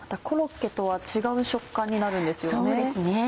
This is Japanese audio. コロッケとは違う食感になるんですよね？